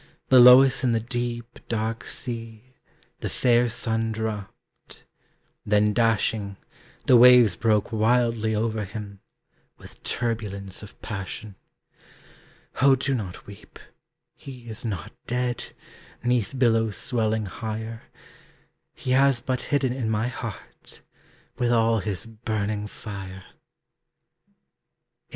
Below us in the deep, dark sea, The fair sun dropped; then dashing, The waves broke wildly over him, With turbulence of passion. Oh do not weep! he is not dead, 'Neath billows swelling higher; He has but hidden in my heart, With all his burning fire. VIII.